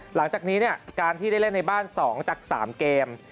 หลังจากนี้เนี่ยการที่ได้เล่นในบ้าน๒จาก๓เกม